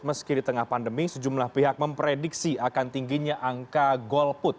meski di tengah pandemi sejumlah pihak memprediksi akan tingginya angka golput